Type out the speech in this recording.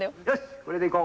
これでいこう。